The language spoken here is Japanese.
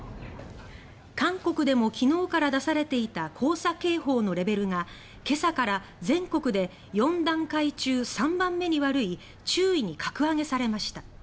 韓国でも昨日から出されていた黄砂警報のレベルが今朝から全国で４段階中３番目に悪い注意に格上げされました。